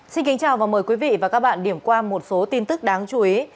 xin kính chào và mời quý vị và các bạn điểm qua một số tin tức đáng chú ý